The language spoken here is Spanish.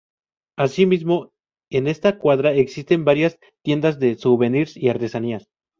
Asimismo, en esta cuadra existen varias tiendas de souvenirs y artesanías.